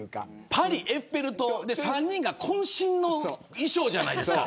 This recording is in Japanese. パリ、エッフェル塔で、３人がこん身の衣装じゃないですか。